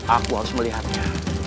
aku harus melihatnya